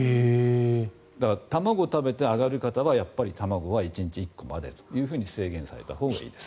だから、卵を食べて上がる方はやっぱり卵は１日１個までと制限されたほうがいいです。